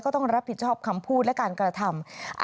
ต้องรับผิดชอบคำพูดและการกระทำ